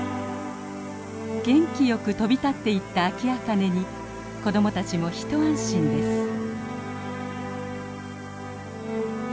元気よく飛び立っていったアキアカネに子供たちも一安心です。